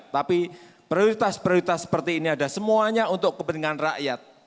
tapi prioritas prioritas seperti ini ada semuanya untuk kepentingan rakyat